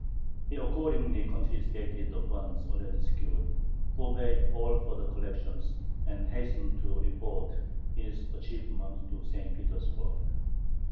He accordingly confiscated the funds already secured, forbade all further collections, and hastened to report his achievement to St. Petersburg.